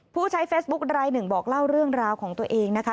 ผู้ใช้เฟซบุ๊คลายหนึ่งบอกเล่าเรื่องราวของตัวเองนะคะ